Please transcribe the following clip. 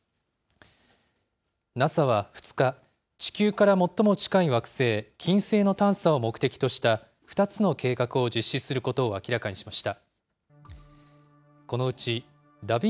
ＮＡＳＡは２日、地球から最も近い惑星、金星の探査を目的とした２つの計画を実施することを明らかにしました。